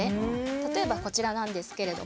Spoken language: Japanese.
例えばこちらなんですけれども。